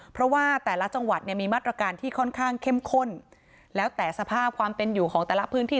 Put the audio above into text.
เพราะว่าแต่ละจังหวัดเนี่ยมีมาตรการที่ค่อนข้างเข้มข้นแล้วแต่สภาพความเป็นอยู่ของแต่ละพื้นที่